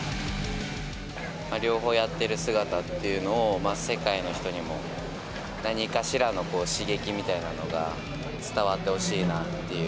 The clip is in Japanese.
両方やってる姿っていうのを、世界の人にも、何かしらの刺激みたいなのが伝わってほしいなっていう。